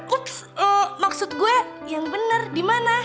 ups maksud gua yang bener dimana